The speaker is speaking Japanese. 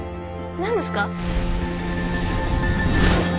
何ですか！？